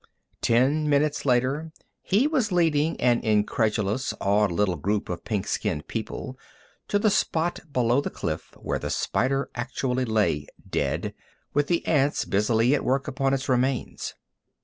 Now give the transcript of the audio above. Ten minutes later he was leading an incredulous, awed little group of pink skinned people to the spot below the cliff where the spider actually lay dead, with the ants busily at work upon its remains.